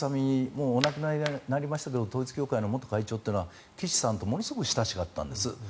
もうお亡くなりになりましたが統一教会の元会長というのは岸さんとものすごく親しかったんです。